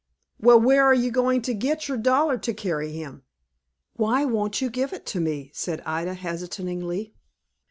"Well, where are you going to get your dollar to carry him?" "Why, won't you give it to me?" said Ida, hesitatingly.